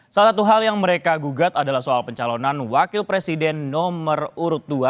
salah satu hal yang mereka gugat adalah soal pencalonan wakil presiden nomor urut dua